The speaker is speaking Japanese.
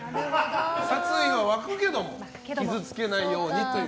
殺意が湧くけども傷つけないようという。